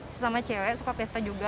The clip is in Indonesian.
sesama cewek suka pesta juga